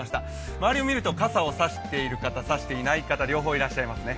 周りを見ると傘を差してる方、差していない方、両方いますね。